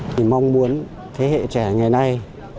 mình mong muốn thế hệ trẻ ngày nay